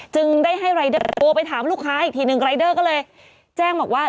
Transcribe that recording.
จึงได้ให้รายเดอร์โทรไปถามลูกค้าอีกทีหนึ่งรายเดอร์ก็เลยแจ้งบอกว่า